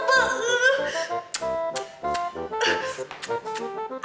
cuk cuk cuk